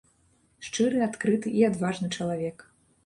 Шчыры, адкрыты і адважны чалавек.